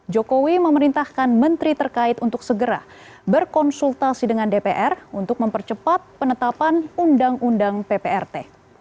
jokowi memerintahkan menteri terkait untuk segera berkonsultasi dengan dpr untuk mempercepat penetapan undang undang pprt